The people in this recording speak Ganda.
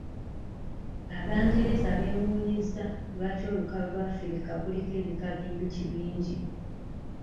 Abangereza beewuunyizza lwaki olukalu lw' Africa kuliko ebika by'enjuki bingi?